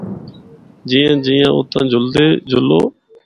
جیاں جیاں آتاں جلدے جُلّو۔